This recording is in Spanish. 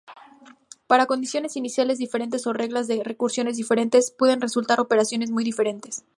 Para condiciones iniciales diferentes o reglas de recursión diferentes, pueden resultar operaciones muy diferentes.